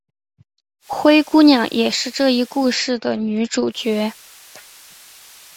灰姑娘也是这一故事的女主角。